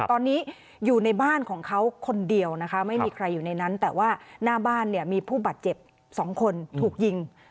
ตอนนี้อยู่ในบ้านของเขาคนเดียวนะคะไม่มีใครอยู่ในนั้นแต่ว่าหน้าบ้านเนี่ยมีผู้บาดเจ็บ๒คนถูกยิง